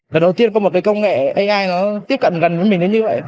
lần đầu tiên có một cái công nghệ ai nó tiếp cận gần với mình đến như vậy